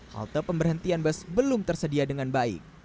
halte pemberhentian bus belum tersedia dengan baik